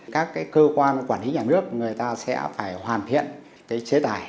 các cơ quan quản lý nhà nước người ta sẽ phải hoàn thiện cái chế tải